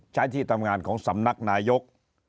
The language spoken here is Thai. ที่ทำงานของสำนักนายก